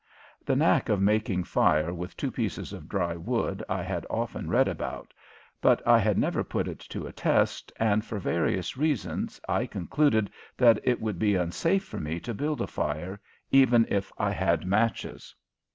The knack of making fire with two pieces of dry wood I had often read about, but I had never put it to a test, and for various reasons I concluded that it would be unsafe for me to build a fire even if I had matches.